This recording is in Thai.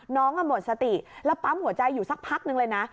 หมดสติแล้วปั๊มหัวใจอยู่สักพักนึงเลยนะ